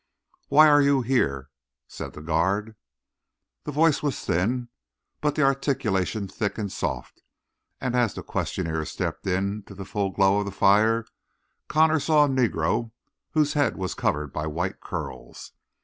"Why are you here?" said the guard. The voice was thin, but the articulation thick and soft, and as the questioner stepped into the full glow of the fire, Connor saw a Negro whose head was covered by white curls.